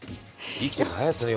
生きてると早いっすね